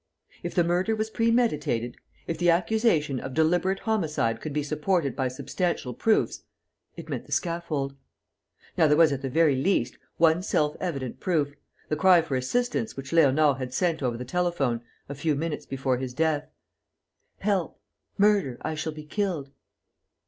If the murder was premeditated, if the accusation of deliberate homicide could be supported by substantial proofs, it meant the scaffold. Now there was, at the very least, one self evident proof, the cry for assistance which Léonard had sent over the telephone a few minutes before his death: "Help!... Murder!... I shall be killed!..."